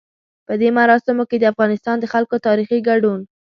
په دې مراسمو کې د افغانستان د خلکو تاريخي ګډون.